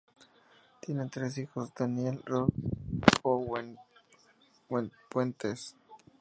Tienen tres hijos: Daniel, Rose y Owen Puentes.